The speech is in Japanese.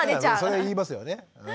そりゃ言いますよね。